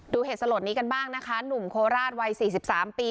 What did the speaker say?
ดูเหตุสลดนี้กันบ้างนะคะหนุ่มโคราชวัยสี่สิบสามปี